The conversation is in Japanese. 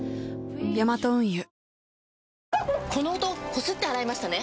ヤマト運輸この音こすって洗いましたね？